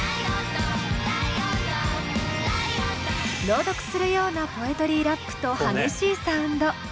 朗読するようなポエトリーラップと激しいサウンド。